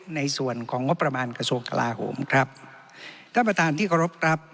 ในส่วนของงบประมาณกระทรวงกลาโหมครับท่านประธานที่เคารพครับ